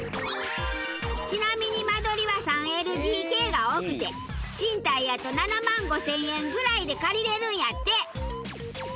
ちなみに間取りは３ＬＤＫが多くて賃貸やと７万５０００円ぐらいで借りれるんやって。